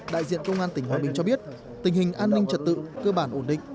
đại diện công an tỉnh hòa bình cho biết tình hình an ninh trật tự cơ bản ổn định